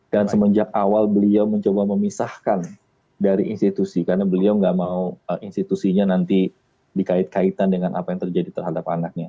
dan semenjak awal beliau mencoba memisahkan dari institusi karena beliau nggak mau institusinya nanti dikait kaitan dengan apa yang terjadi terhadap anaknya